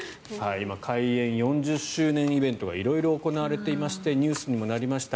今、開園４０周年イベントが色々行われていましてニュースにもなりました